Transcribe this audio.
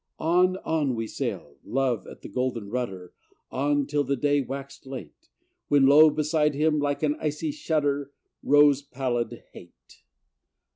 On, on we sailed, Love at the golden rudder, On till the day waxed late, When, lo! beside him, like an icy shudder, Rose pallid Hate.